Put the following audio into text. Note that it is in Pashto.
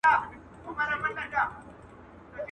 دلته لېونیو نن د عقل ښار نیولی دی.